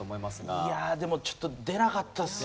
いやでもちょっと出なかったですね。